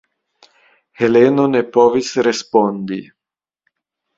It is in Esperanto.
Heleno ne povis respondi.